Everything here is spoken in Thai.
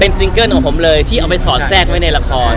ซิงเกิ้ลของผมเลยที่เอาไปสอดแทรกไว้ในละคร